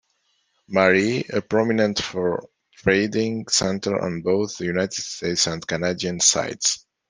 Marie, a prominent fur trading center on both the United States and Canadian sides.